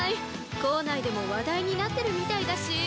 校内でも話題になってるみたいだし。